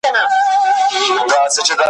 د ملغلري یو آب دی چي ولاړ سي ,